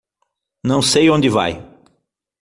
Não sei onde vai.